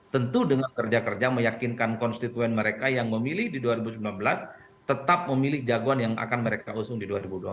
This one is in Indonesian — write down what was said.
tentu dengan kerja kerja meyakinkan konstituen mereka yang memilih di dua ribu sembilan belas tetap memilih jagoan yang akan mereka usung di dua ribu dua puluh empat